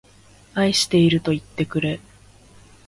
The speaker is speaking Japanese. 愛しているといってくれ